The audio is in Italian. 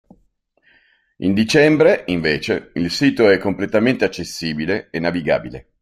In dicembre, invece, il sito è completamente accessibile e navigabile.